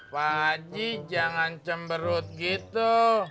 pak haji jangan cemberut gitu